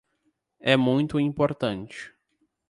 É muito importante.